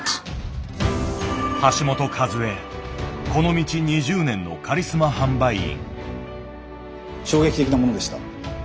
この道２０年のカリスマ販売員。